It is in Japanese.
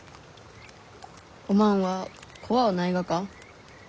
おまんは怖うないがか？